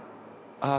ああ